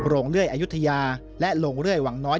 เรื่อยอายุทยาและโรงเลื่อยวังน้อย